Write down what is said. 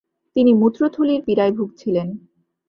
তিনি মূত্রথলির পীড়ায় ভুগছিলেন।